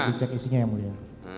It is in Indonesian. dicek isinya ya muridnya